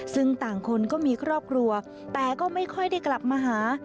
ซึ่งต่างคนก็มีครอบครัวแต่ก็ไม่ค่อยได้กลับมาหา